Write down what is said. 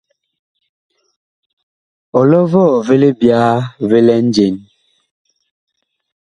Ɔlɔ vɔɔ vi libyaa vi lɛ njen ?